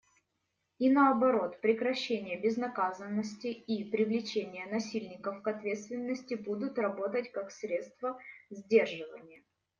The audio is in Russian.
И наоборот, прекращение безнаказанности и привлечение насильников к ответственности будут работать как средство сдерживания.